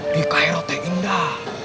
di cairo teh indah